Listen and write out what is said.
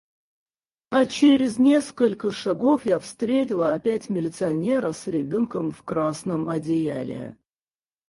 А через несколько шагов я встретила опять милиционера с ребёнком в красном одеяле.